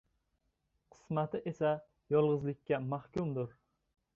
qismati esa yolg‘izlikka mahkumdir.